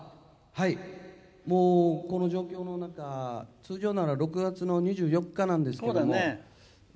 もう、この状況の中通常なら６月の２４日なんですけども。